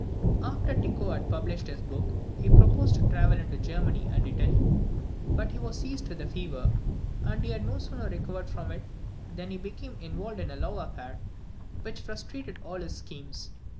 After Tycho had published his book, he proposed to travel into Germany and Italy, but he was seized with a fever, and he had no sooner recovered from it, than he became involved in a love affair, which frustrated all his schemes.